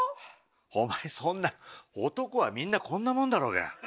お前そんな男はみんなこんなもんだろうが。